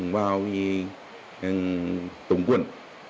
vào tùng quẩn